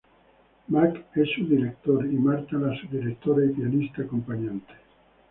Marc es su director y Marta, la subdirectora y pianista acompañante.